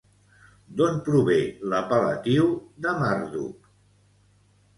D'on prové l'apel·latiu de Marduk?